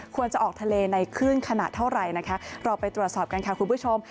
ควรจะออกทะเลในคลื่นขนาดเท่าไหร่นะคะเราไปตรวจสอบกันค่ะคุณผู้ชม